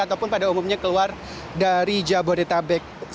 ataupun pada umumnya keluar dari jabodetabek